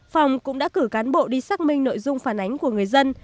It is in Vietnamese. phòng cũng đã cử cán bộ đi xác minh nội dung phản ánh của người dân